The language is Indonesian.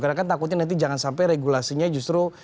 karena kan takutnya nanti jangan sampai regulasinya justru